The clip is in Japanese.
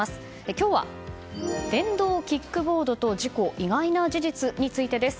今日は電動キックボードと事故意外な事実についてです。